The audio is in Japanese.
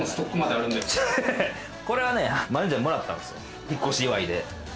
これはマネジャーにもらったんですよ、引っ越し祝いで。